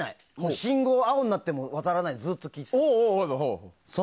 信号青になっても渡らないでずっと聴いてたの。